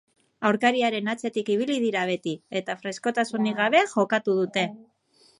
Aurkariaren atzetik ibili dira beti, eta freskotasunik gabe jokatu dute.